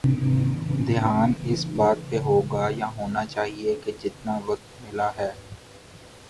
دھیان اس بات پہ ہو گا یا ہونا چاہیے کہ جتنا وقت ملا ہے۔